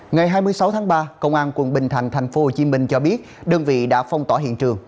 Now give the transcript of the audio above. ngày hai mươi sáu tháng ba công an quận bình thạnh tp hcm cho biết đơn vị đã phong tỏa hiện trường